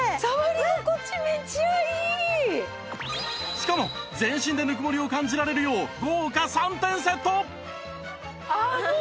しかも全身でぬくもりを感じられるよう豪華３点セットあもう。